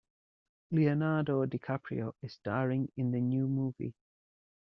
Leonardo DiCaprio is staring in the new movie.